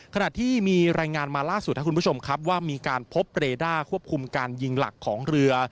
ขณะที่มีรายงานมาล่าสุดครับคุณผู้ชมครับว่ามีการพบเรด้าควบคุมการยิงหลักของเรือ